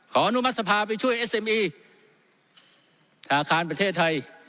อนุมัติสภาไปช่วยเอสเอ็มอีธนาคารประเทศไทย